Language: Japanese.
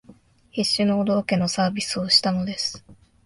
必死のお道化のサービスをしたのです